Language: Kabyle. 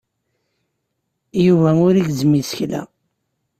Yuba ur igezzem isekla.